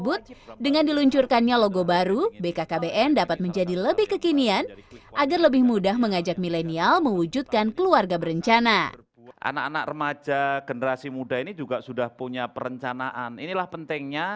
badan kependudukan dan keluarga bkkbn